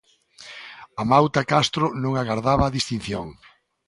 Amauta Castro non agardaba a distinción.